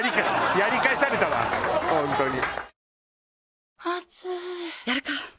やり返されたわ本当に。